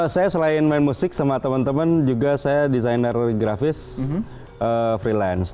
saya selain main musik sama teman teman juga saya desainer grafis freelance